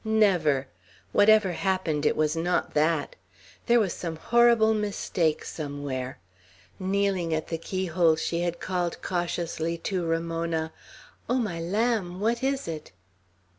Never! Whatever happened, it was not that! There was some horrible mistake somewhere. Kneeling at the keyhole, she had called cautiously to Ramona, "Oh, my lamb, what is it?"